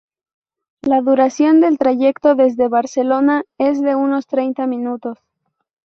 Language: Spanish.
La duración del trayecto desde Barcelona es de unos treinta minutos.